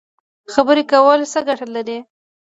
خبرې کول څه ګټه لري؟